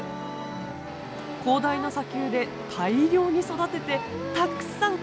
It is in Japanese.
広大な砂丘で大量に育ててたくさん収穫しています。